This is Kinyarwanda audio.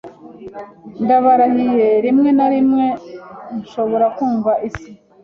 Ndabarahiye rimwe na rimwe nshobora kumva isi